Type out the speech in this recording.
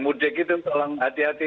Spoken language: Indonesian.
mudik itu tolong hati hati